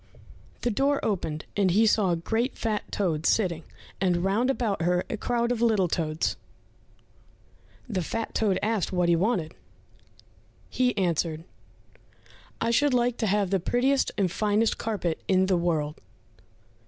The door opened, and he saw a great, fat toad sitting, and round about her a crowd of little toads. The fat toad asked what he wanted? He answered, "I should like to have the prettiest and finest carpet in the world."